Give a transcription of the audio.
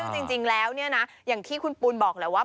ซึ่งจริงแล้วเนี่ยนะอย่างที่คุณปูนบอกแหละว่า